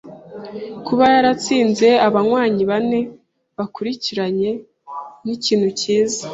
Kuba yaratsinze abanywanyi bane bakurikiranye nikintu cyiza